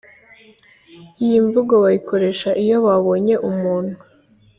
Iyi mvugo bayikoresha iyo babonye umuntu